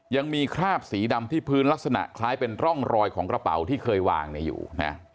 ยังมีคราบสีดำที่พื้นลักษณะคล้ายเป็นร่องรอยของกระเป๋าที่เคยวางเนี่ยอยู่นะ